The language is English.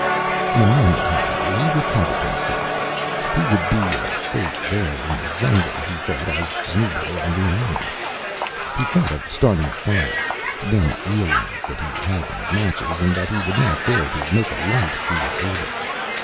In a moment, however, he recovered himself. He would be as safe there in the jungle, he thought, as anywhere on the island. He thought of starting a fire, then realized that he had no matches, and that he would not dare to make a light if he were able.